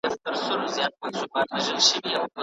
محدود حق په ټولنه کي نظم راولي.